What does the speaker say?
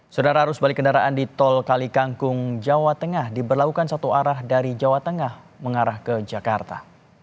saudara arus balik kendaraan di tol kalikangkung jawa tengah diberlakukan satu arah dari jawa tengah mengarah ke jakarta